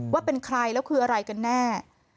ว่าเป็นใครแล้วคืออะไรกันแน่